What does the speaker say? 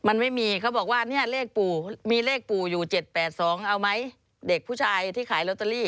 มันไม่มีเขาบอกว่าเนี่ยเลขปู่มีเลขปู่อยู่๗๘๒เอาไหมเด็กผู้ชายที่ขายลอตเตอรี่